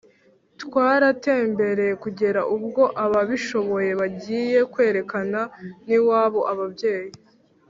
twaratembereye kugera ubwo ababishoboye bagiye kwerekana n’iwabo, ababyeyi